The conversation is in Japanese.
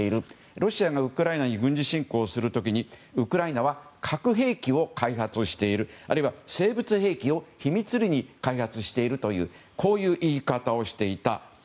ロシアがウクライナに軍事侵攻する時にウクライナは核兵器を開発しているあるいは生物兵器を秘密裏に開発しているという言い方をしていた。